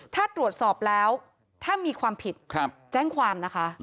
ถ้าตรวจสอบแล้วถ้ามีความผิดแจ้งความนะคะ